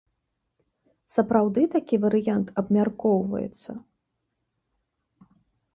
Сапраўды такі варыянт абмяркоўваецца?